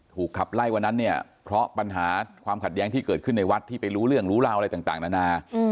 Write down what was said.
ขับไล่วันนั้นเนี่ยเพราะปัญหาความขัดแย้งที่เกิดขึ้นในวัดที่ไปรู้เรื่องรู้ราวอะไรต่างนานา